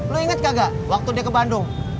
lo ingat gak waktu dia ke bandung